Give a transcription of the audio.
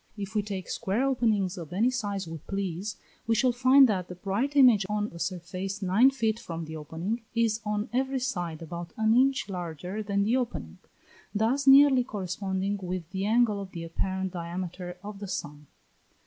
If we take square openings of any size we please, we shall find that the bright image on a surface nine feet from the opening, is on every side about an inch larger than the opening; thus nearly corresponding with the angle of the apparent diameter of the sun.